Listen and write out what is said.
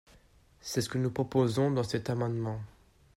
» C’est ce que nous proposons dans cet amendement.